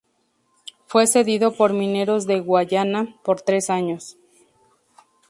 Fue cedido por Mineros de Guayana por tres años.